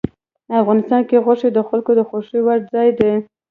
افغانستان کې غوښې د خلکو د خوښې وړ ځای دی.